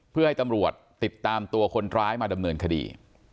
เพื่อให้ตำรวจติดตามตัวคนร้ายมาดำเนินคดี